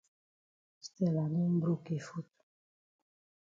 Stella don broke yi foot.